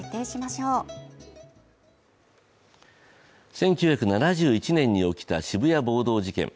１９７１年に起きた渋谷暴動事件。